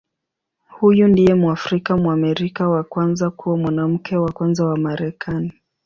Huyu ndiye Mwafrika-Mwamerika wa kwanza kuwa Mwanamke wa Kwanza wa Marekani.